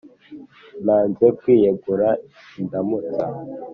nanze kwiyegura indaùmutsa